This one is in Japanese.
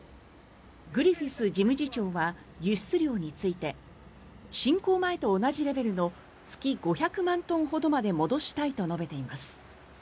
グリフィス事務次長は輸出量について侵攻前と同じレベルの月５００万トンほどまで戻したいと述べています。